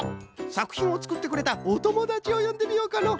さくひんをつくってくれたおともだちをよんでみようかの。